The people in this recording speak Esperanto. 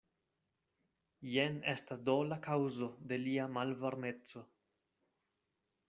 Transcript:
Jen estas do la kaŭzo de lia malvarmeco.